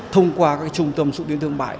thông qua các trung tâm sụn tiến thương mại